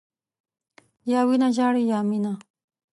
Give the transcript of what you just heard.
یا وینه ژاړي، یا مینه.